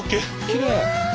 きれい。